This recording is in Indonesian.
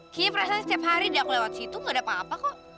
kayaknya perasaan setiap hari dia aku lewat situ gak ada apa apa kok